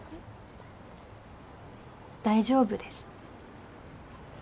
大丈夫です。